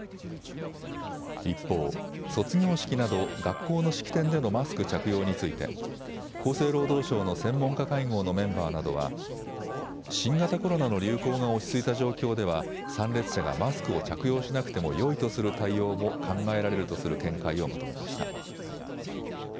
一方、卒業式など学校の式典でのマスク着用について、厚生労働省の専門家会合のメンバーなどは、新型コロナの流行が落ち着いた状況では、参列者がマスクを着用しなくてもよいとする対応も考えられるとする見解をまとめました。